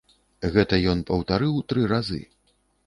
Гэта ён паўтарыў тры разы.